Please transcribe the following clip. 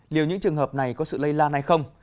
liệu những trường hợp này có sự lây lan hay không